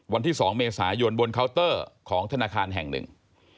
วันที่๒เมษายนบนเคาน์เตอร์ของธนาคารแห่งหนึ่ง